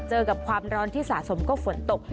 เจอกับความร้อนที่สะสมก็ฝนตก